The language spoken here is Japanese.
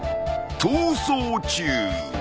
［逃走中］